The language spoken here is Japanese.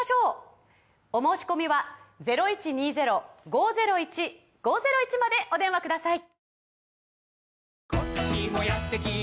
お申込みはお電話ください